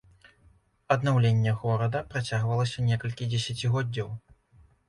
Аднаўленне горада працягвалася некалькі дзесяцігоддзяў.